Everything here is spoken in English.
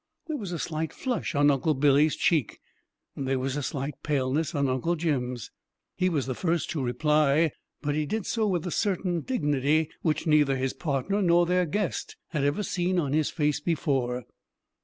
There was a slight flush on Uncle Billy's cheek, there was a slight paleness on Uncle Jim's. He was the first to reply. But he did so with a certain dignity which neither his partner nor their guest had ever seen on his face before.